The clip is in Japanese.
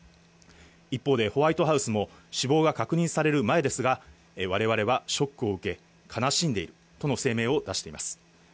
一方で、ホワイトハウスも、死亡が確認される前ですが、われわれはショックを受け、悲しんでいるとの声明を出しています。